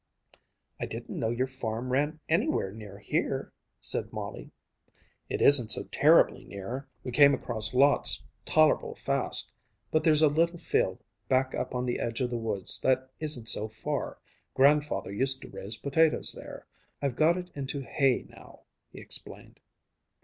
"I didn't know your farm ran anywhere near here," said Molly. "It isn't so terribly near. We came across lots tolerable fast. But there's a little field, back up on the edge of the woods that isn't so far. Grandfather used to raise potatoes there. I've got it into hay now," he explained.